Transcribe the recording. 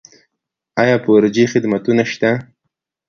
آیا فور جي خدمتونه شته؟